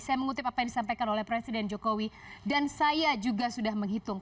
saya mengutip apa yang disampaikan oleh presiden jokowi dan saya juga sudah menghitung